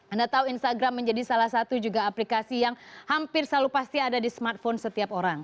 anda tahu instagram menjadi salah satu juga aplikasi yang hampir selalu pasti ada di smartphone setiap orang